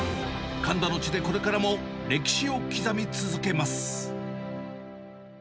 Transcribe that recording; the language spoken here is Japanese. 神田の地でこれからも歴史を刻み続けます。